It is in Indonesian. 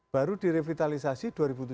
baru direvitalisasi dua ribu tujuh belas